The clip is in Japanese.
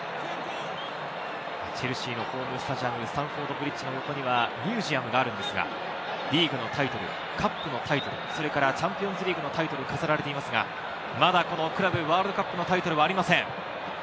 チェルシーのホームスタジアム、スタンフォード・ブリッジにはミュージアムがあるんですが、リーグのタイトル、カップのタイトル、それからチャンピオンズリーグのタイトルが飾られていますが、まだこのクラブワールドカップのタイトルはありません。